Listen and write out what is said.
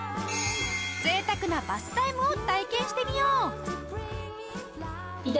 贅沢なバスタイムを体験してみよう！